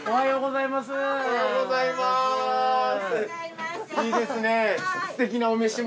いいですね。